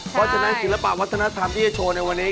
เพราะฉะนั้นศิลปะวัฒนธรรมที่จะโชว์ในวันนี้